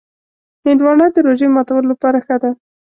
هندوانه د روژې ماتولو لپاره ښه ده.